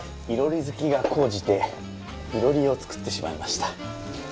いろり好きが高じていろりを作ってしまいました。